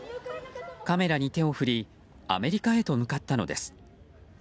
カメラに手を振りアメリカへと向かったのです。